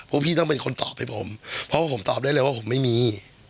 พี่ต้องเป็นคนตอบให้ผมเพราะว่าผมตอบได้เลยว่าผมไม่มี